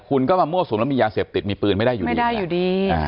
คุณก็มามั่วสมแล้วมียาเสพติดมีปืนไม่ได้อยู่ดี